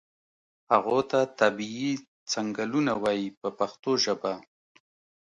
هغو ته طبیعي څنګلونه وایي په پښتو ژبه.